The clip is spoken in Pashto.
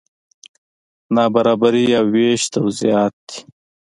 نابرابري او وېش توضیحات دي.